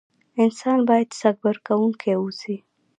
انسان بايد صبر کوونکی واوسئ.